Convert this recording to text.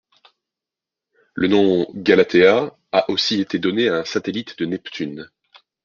Le nom Galatea a aussi été donné à un satellite de Neptune.